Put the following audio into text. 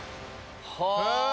はあ！